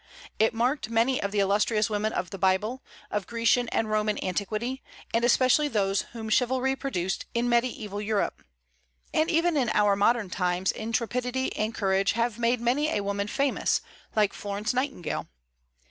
It marked many of the illustrious women of the Bible, of Grecian and Roman antiquity, and especially those whom chivalry produced in mediaeval Europe; and even in our modern times intrepidity and courage have made many a woman famous, like Florence Nightingale.